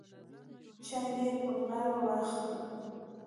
چارې یې پر غاړه واخلو.